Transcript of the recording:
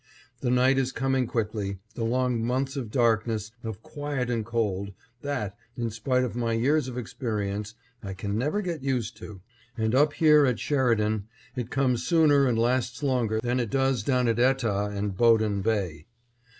The night is coming quickly, the long months of darkness, of quiet and cold, that, in spite of my years of experience, I can never get used to; and up here at Sheridan it comes sooner and lasts longer than it does down at Etah and Bowdoin Bay.